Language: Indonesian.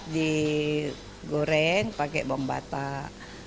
dua puluh empat digoreng pakai bawang batak